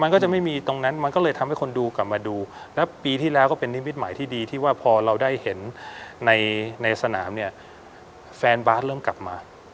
มันก็จะไม่มีตรงนั้นมันก็เลยทำให้คนดูกลับมาดูแล้วปีที่แล้วก็เป็นนิมิตหมายที่ดีที่ว่าพอเราได้เห็นในสนามเนี่ยแฟนบาร์ดเริ่มกลับมา